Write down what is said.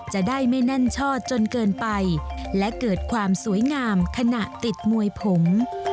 จะได้ไม่แน่นช่อจนเกินไปและเกิดความสวยงามขณะติดมวยผม